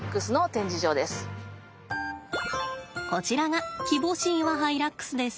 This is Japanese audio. こちらがキボシイワハイラックスです。